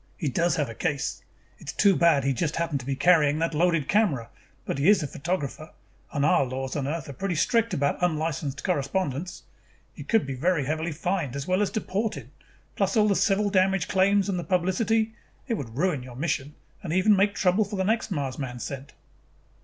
He does have a case. It is too bad he just happened to be carrying that loaded camera, but he is a photographer and our laws on Earth are pretty strict about unlicensed correspondents. You could be very heavily fined as well as deported, plus all the civil damage claims and the publicity. It would ruin your mission and even make trouble for the next man Mars sent."